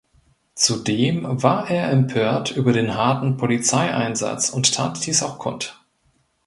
Zudem war er empört über den harten Polizeieinsatz und tat dies auch kund.